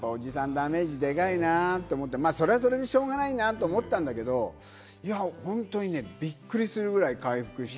ダメージでかいなと思って、それはそれでしょうがないなと思ったんだけれども、本当にびっくりするぐらい回復して。